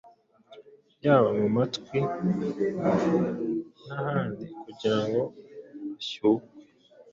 yaba mu matwi n’ahandi kugira ngo ashyukwe